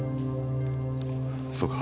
そうか。